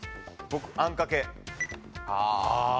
僕あんかけ。